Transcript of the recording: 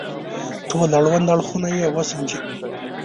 ټول اړوند اړخونه يې وسنجوي.